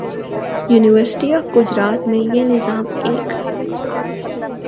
university of Gujarat میں یہ نظام ایک